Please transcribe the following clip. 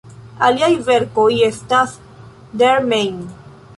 Aliaj verkoj estas: "Der Main.